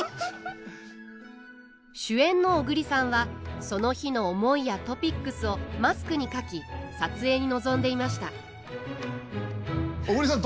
主演の小栗さんはその日の思いやトピックスをマスクに書き撮影に臨んでいました小栗さん